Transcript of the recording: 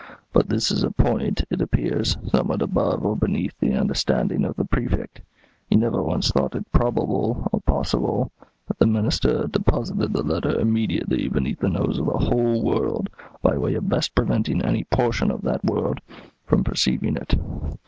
But this is a point, it appears, somewhat above or beneath the understanding of the Prefect. He never once thought it probable, or possible, that the Minister had deposited the letter immediately beneath the nose of the whole world by way of best preventing any portion of that world from perceiving it.